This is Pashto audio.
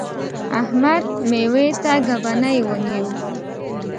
احمد؛ مېوې ته ګبڼۍ ونیو.